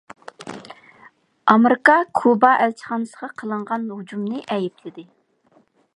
ئامېرىكا كۇبا ئەلچىخانىسىغا قىلىنغان ھۇجۇمنى ئەيىبلىدى.